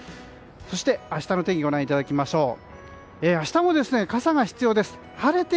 そして明日の天気ご覧いただきましょう。